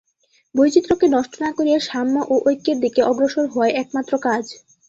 বৈচিত্র্যকে নষ্ট না করিয়া সাম্য ও ঐক্যের দিকে অগ্রসর হওয়াই একমাত্র কাজ।